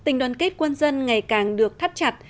nhân kết quân dân ngày càng được thắt chặt